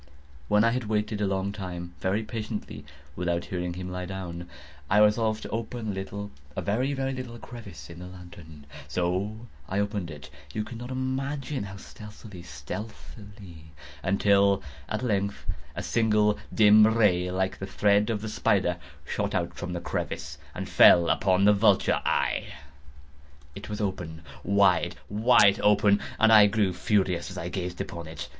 When I had waited a long time, very patiently, without hearing him lie down, I resolved to open a little—a very, very little crevice in the lantern. So I opened it—you cannot imagine how stealthily, stealthily—until, at length a simple dim ray, like the thread of the spider, shot from out the crevice and fell full upon the vulture eye. It was open—wide, wide open—and I grew furious as I gazed upon it.